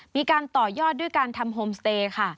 มีการต่อยอดด้วยการทำโฮมสเตย์ค่ะ